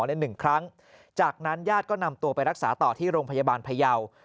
ในหนึ่งครั้งจากนั้นญาติก็นำตัวไปรักษาต่อที่โรงพยาบาลพยาว